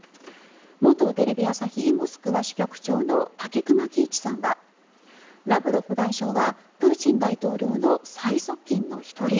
元テレビ朝日モスクワ支局長の武隈喜一さんはラブロフ外相はプーチン大統領の最側近の１人